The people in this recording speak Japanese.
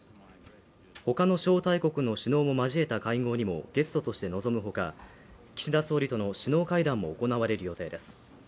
ほかの招待国の首脳も交えた会合にもゲストとして参加するほか岸田総理との首脳会談も行われる予定です。